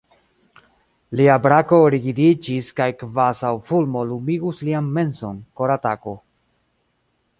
Lia brako rigidiĝis kaj kvazaŭ fulmo lumigus lian menson koratako.